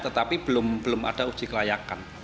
tetapi belum ada uji kelayakan